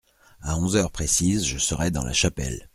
À onze heures précises je serai dans la chapelle.